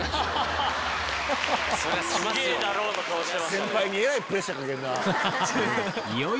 先輩にえらいプレッシャーかけるなぁ。